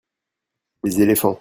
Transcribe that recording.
Des éléphants.